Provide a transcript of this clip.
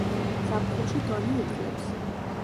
ზაფხულში დონე იკლებს.